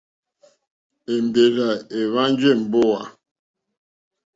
Èmbèrzà èhwánjì èmbówà.